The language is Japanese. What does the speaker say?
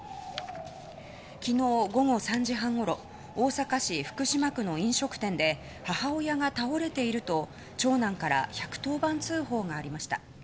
昨日午後３時半ごろ大阪市福島区の飲食店で母親が倒れていると長男から１１０番通報がありました。